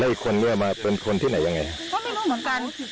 อีกคนเนี่ยมาเป็นคนที่ไหนยังไงก็ไม่รู้เหมือนกัน